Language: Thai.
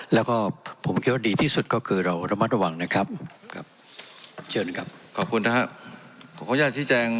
แล้วก็ผมคิดว่าดีที่สุดก็คือเราระมัดระวังนะครับครับเชิญครับขอบคุณธรรมรัฐครับ